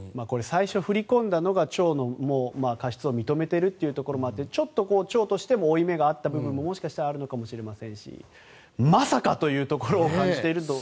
最初、振り込んだのが町の過失を認めているところもあってちょっと町としても負い目があった部分ももしかしたらあるもかもしれませんしまさかというところを感じているかと。